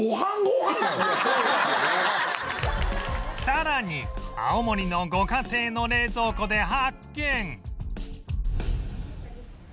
さらに青森のご家庭の冷蔵庫で発見